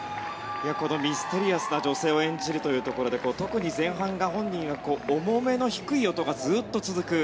このミステリアスな女性を演じるというところで特に前半が本人いわく重めの低い音がずっと続く。